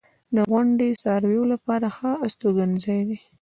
• غونډۍ د څارویو لپاره ښه استوګنځای دی.